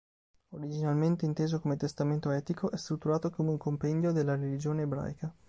Originalmente inteso come "testamento etico", è strutturato come un compendio delle religione ebraica.